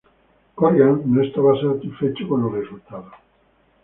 Corgan no estaba satisfecho con los resultados.